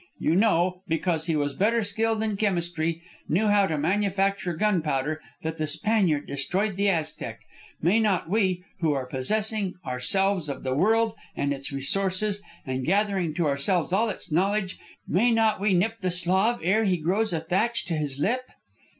You know, because he was better skilled in chemistry, knew how to manufacture gunpowder, that the Spaniard destroyed the Aztec. May not we, who are possessing ourselves of the world and its resources, and gathering to ourselves all its knowledge, may not we nip the Slav ere he grows a thatch to his lip?"